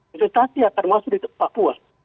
investasi yang termasuk di papua